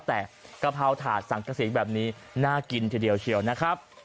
แต่กะเพราถาดสังกษีแบบนี้น่ากินทีเดียวเชียวนะครับ